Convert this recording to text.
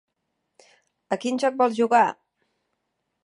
A quin joc vols jugar?